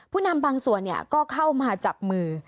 ผู้นำบางส่วนเนี่ยก็เข้ามาจับมือ